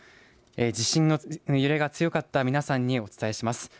地震の揺れが強かった皆さんにお伝えします。